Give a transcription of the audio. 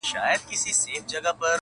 نه ! وايمه ! دا ! چې ياران داسې وو